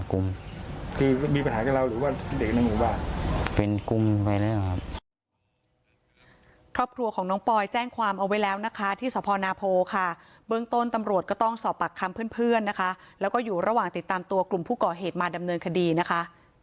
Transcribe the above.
ครอบครัวของน้องปอยแจ้งความเอาไว้แล้วนะคะที่สพนาโพค่ะเบื้องต้นตำรวจก็ต้องสอบปากคำเพื่อนนะคะแล้วก็อยู่ระหว่างติดตามตัวกลุ่มผู้ก่อเหตุมาดำเนินคดีนะคะ